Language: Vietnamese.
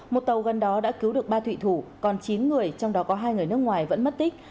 một tàu gần đó đã cứu được ba thủy thủ còn chín người trong đó có hai người nước ngoài vẫn mất tích